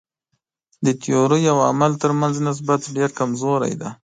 د تیورۍ او عمل تر منځ نسبت ډېر کمزوری دی.